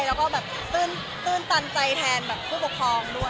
ประทับใจแล้วก็ตื่นตันใจแทนผู้ปกครองด้วย